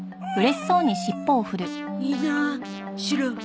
いいなあシロ。